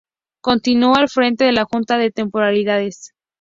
Continuó al frente de la Junta de Temporalidades.